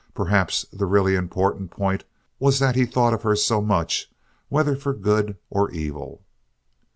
Perhaps the really important point was that he thought of her so much, whether for good or evil.